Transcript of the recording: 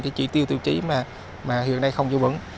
cái chỉ tiêu tiêu chí mà hiện nay không giữ vững